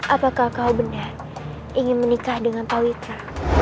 apakah kau benar ingin menikah dengan pak witra